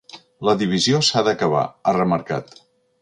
La divisió s’ha d’acabar, ha remarcat.